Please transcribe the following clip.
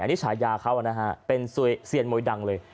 อันนี้ฉายาเขานะฮะเป็นเซียนมวยดังเลย